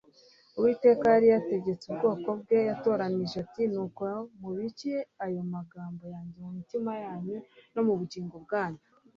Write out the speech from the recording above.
Uwiteka yari yarategetse ubwoko bwe yatoranyije ati Nuko mubike ayo magambo yanjye mu mitima yanyu no mu bugingo bwanyu